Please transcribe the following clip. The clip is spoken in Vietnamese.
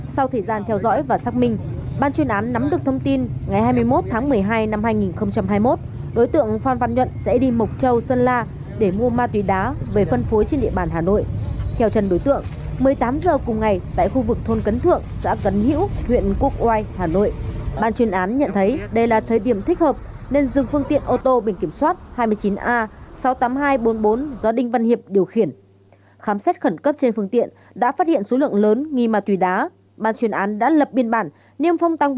sau thời gian theo dõi và xác minh ban chuyên án nắm được thông tin ngày hai mươi một tháng một mươi hai năm hai nghìn hai mươi một